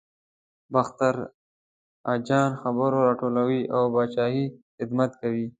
باختر اجان خبرونه راټولوي او د پاچاهۍ خدمت کوي.